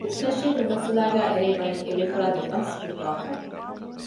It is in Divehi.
ރައީސް ނަޝީދު މިމައްސަލާގައި އެރޭ ވަނީ އެބޭފުޅާގެ ބަސް އިއްވާފަ